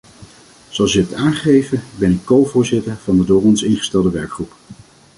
Zoals u hebt aangegeven, ben ik covoorzitter van de door ons ingestelde werkgroep.